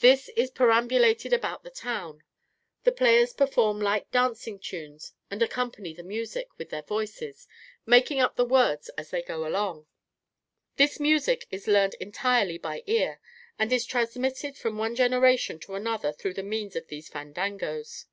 This is perambulated about the town. The players perform light dancing tunes and accompany the music with their voices, making up the words as they go along. This music is learned entirely by ear, and is transmitted from one generation to another through the means of these fandangos.